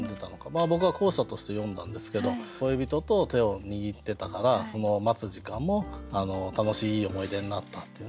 僕は後者として読んだんですけど恋人と手を握ってたからその待つ時間も楽しいいい思い出になったっていうね。